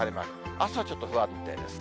あすはちょっと不安定ですね。